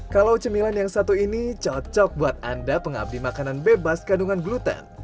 kalau cemilan yang satu ini cocok buat anda pengabdi makanan bebas kandungan gluten